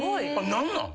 何なん？